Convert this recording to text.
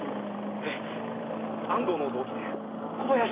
俺安藤の同期で小林いいます。